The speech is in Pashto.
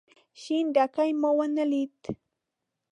شين ډکی مو ونه ليد.